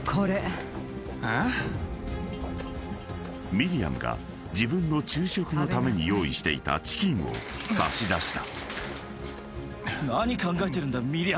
［ミリアムが自分の昼食のために用意していたチキンを差し出した］